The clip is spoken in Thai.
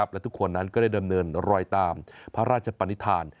และทุกคนนั้นก็ได้ดำเนินรอยตามพระราชปนิษฐาน